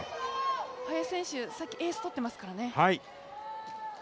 林選手、さっきエース取ってますからね。